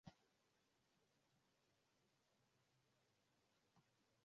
tame kulungu kwa bure Walk ins ni bure kwa Parks